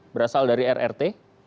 berasal dari rrt